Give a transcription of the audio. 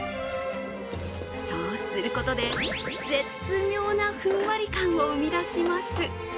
そうすることで、絶妙なふんわり感を生み出します。